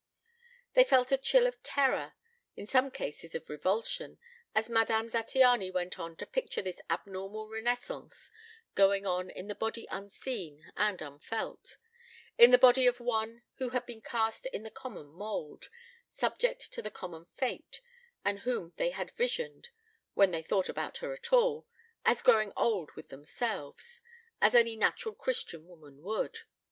They felt a chill of terror, in some cases of revulsion, as Madame Zattiany went on to picture this abnormal renaissance going on in the body unseen and unfelt; in the body of one who had been cast in the common mould, subject to the common fate, and whom they had visioned when they thought about her at all as growing old with themselves; as any natural Christian woman would.